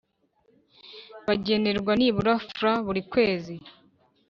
bagenerwa nibura Frw buri kwezi